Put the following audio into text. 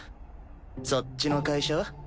そっちの会社は？